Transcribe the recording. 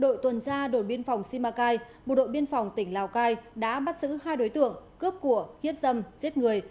đội tuần tra đồn biên phòng simacai bộ đội biên phòng tỉnh lào cai đã bắt giữ hai đối tượng cướp của hiếp dâm giết người